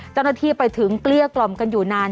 เจ้าหน้าที่ไปถึงเกลี้ยกล่อมกันอยู่นาน